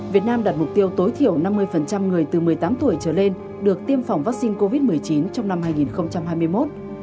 việt nam đặt mục tiêu tối thiểu năm mươi người từ một mươi tám tuổi trở lên được tiêm phòng vaccine covid một mươi chín trong năm hai nghìn hai mươi một